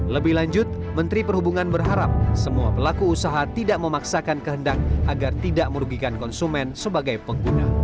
lebih lanjut menteri perhubungan berharap semua pelaku usaha tidak memaksakan kehendak agar tidak merugikan konsumen sebagai pengguna